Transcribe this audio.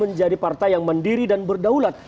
menjadi partai yang mandiri dan berdaulat